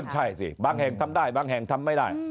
ใช่สิบางแห่งทำได้บางแห่งทำไม่ได้